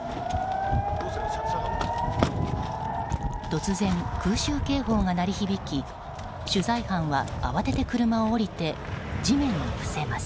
突然、空襲警報が鳴り響き取材班は慌てて車を降りて地面に伏せます。